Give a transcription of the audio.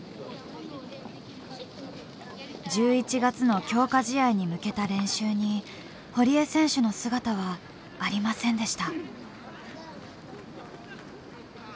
１１月の強化試合に向けた練習に堀江選手の姿はありませんでした。